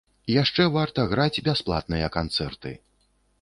Яшчэ варта граць бясплатныя канцэрты.